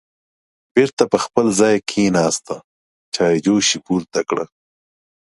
بېرته په خپل ځای کېناسته، چایجوش یې پورته کړه